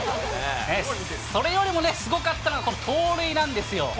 それよりもすごかったのが、この盗塁なんですよ。